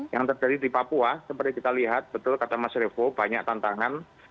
yang terjadi di papua seperti kita lihat betul kata mas revo banyak tantangan